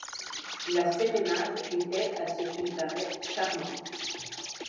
La sérénade était, à ce qu’il paraît, charmante!